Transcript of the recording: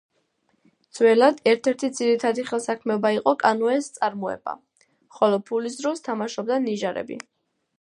ძველად ერთ-ერთი ძირითადი ხელსაქმეობა იყო კანოეს წარმოება, ხოლო ფულის როლს თამაშობდა ნიჟარები.